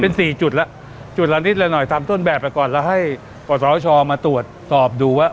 เป็นสี่จุดแล้วจุดละนิดละหน่อยตามต้นแบบไปก่อนแล้วให้กศชมาตรวจสอบดูว่า